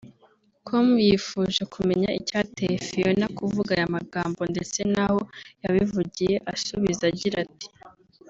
com yifuje kumenya icyateye Phionah kuvuga aya magambo ndetse n'aho yabivugiye asubiza agira ati